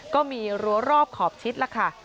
ก็มีรั้วรอบขอบชิดล่ะค่ะ